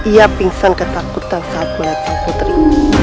ia pingsan ketakutan saat melihat sang putri